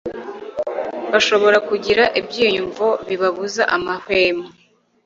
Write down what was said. bashobora kugira ibyiyumvo bibabuza amahwemo